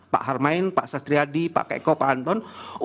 pak harmain pak sastri hadi pak keiko pak anton